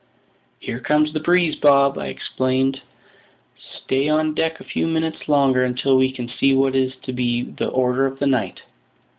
"Here comes the breeze, Bob!" I exclaimed. "Stay on deck a few minutes longer until we can see what is to be the order of the night.